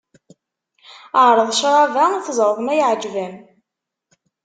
Ԑreḍ ccrab-a, teẓreḍ ma iεǧeb-am.